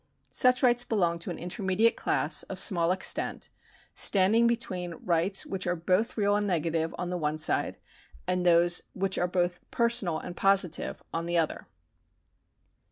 Such rights belong to an intermediate class of small extent, stand ing between rights which are both real and negative on the one side and tliose which are both personal and positive on the other.